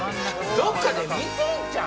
どっかで見てんちゃう？